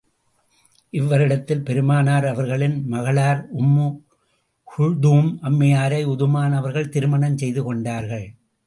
இவ்வருடத்தில் பெருமானார் அவர்களின் மகளார் உம்மு குல்தூம் அம்மையாரை உதுமான் அவர்கள் திருமணம் செய்து கொண்டார்கள்.